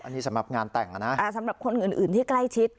อันนี้สำหรับงานแต่งนะสำหรับคนอื่นที่ใกล้ชิด